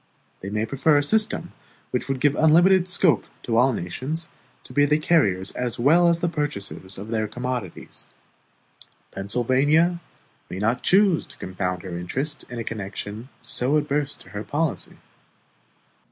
They may prefer a system which would give unlimited scope to all nations to be the carriers as well as the purchasers of their commodities. Pennsylvania may not choose to confound her interests in a connection so adverse to her policy.